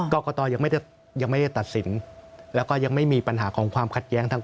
กรกตยังไม่ได้ยังไม่ได้ตัดสินแล้วก็ยังไม่มีปัญหาของความขัดแย้งทาง